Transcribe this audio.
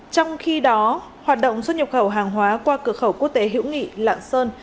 trong khi đó hoạt động xuất nhập khẩu hàng hóa qua cửa khẩu quốc tế hữu nghị lạng sơn